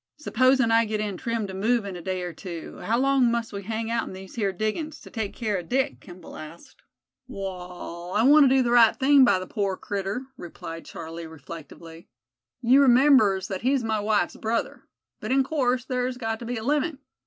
"Supposin' I get in trim to move in a day or two, how long must we hang out in these here diggings, to take care of Dick?" Kimball asked. "Wall, I want to do the right thing by the pore critter," replied Charlie, reflectively. "You remembers that he's my wife's brother. But in course thar's got to be a limit.